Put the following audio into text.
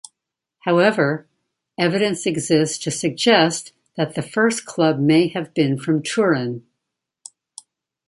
However, evidence exists to suggest that the first club may have been from Turin.